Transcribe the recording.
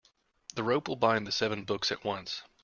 The rope will bind the seven books at once.